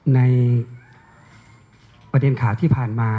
ในประเด็นข่าวที่ผ่านมา